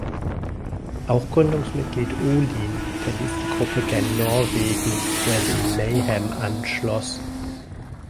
Auch Gründungsmitglied Ohlin verließ die Gruppe gen Norwegen, wo er sich Mayhem anschloss.